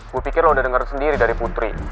gue pikir lo udah denger sendiri dari putri